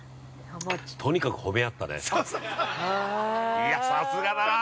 ◆いや、さすがだなあ！